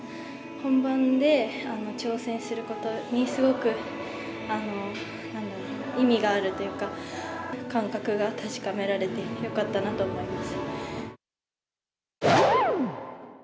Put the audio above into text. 本番で挑戦することに、すごく意味があるというか、感覚が確かめられてよかったなと思います。